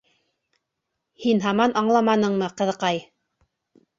Һин һаман аңламаныңмы, ҡыҙыҡай?!